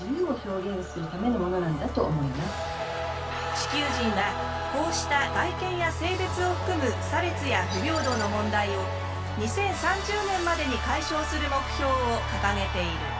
地球人はこうした外見や性別を含む差別や不平等の問題を２０３０年までに解消する目標を掲げている。